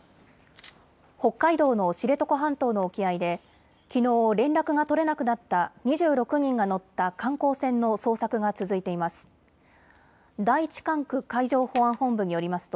北海道の知床半島の沖合できのう連絡が取れなくなった２６人が乗った観光船の捜索が続いています。